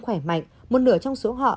khỏe mạnh một nửa trong số họ